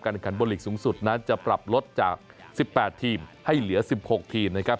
ขันบนลีกสูงสุดนั้นจะปรับลดจาก๑๘ทีมให้เหลือ๑๖ทีมนะครับ